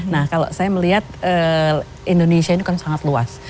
nah kalau saya melihat indonesia ini kan sangat luas